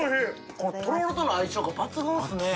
これ、とろろとの相性が抜群すね。